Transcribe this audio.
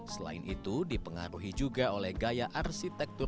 selain itu dipengaruhi juga oleh gaya arsitektur